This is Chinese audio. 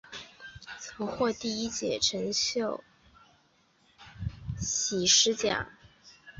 曾获第一届陈秀喜诗奖。